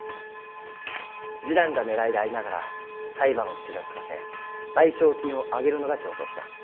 示談がねらいでありながら裁判をちらつかせ賠償金をあげるのが常とう手段。